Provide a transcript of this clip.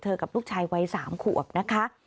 เธอกับลูกชายวัย๓กว่า